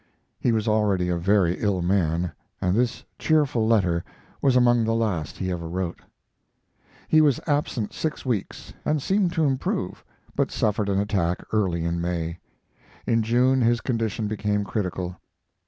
He was already a very ill man, and this cheerful letter was among the last he ever wrote. He was absent six weeks and seemed to improve, but suffered an attack early in May; in June his condition became critical.